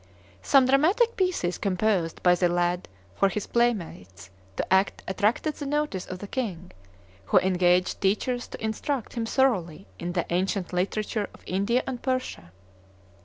Some dramatic pieces composed by the lad for his playmates to act attracted the notice of the king, who engaged teachers to instruct him thoroughly in the ancient literature of India and Persia.